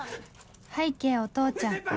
拝啓お父ちゃん